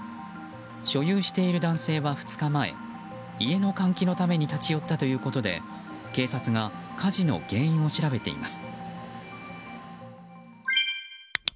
所有している男性は、２日前家の換気のために立ち寄ったということで警察が火事の原因を調べています。